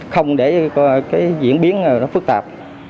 không để diễn biến phức tạp